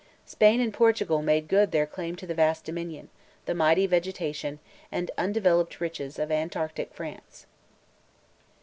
Spain and Portugal made good their claim to the vast domain, the mighty vegetation, and undeveloped riches of "Antarctic France."